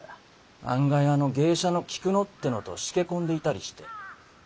案外あの芸者の菊野ってのとしけ込んでいたりして。